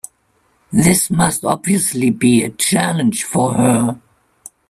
This must obviously be a challenge for her.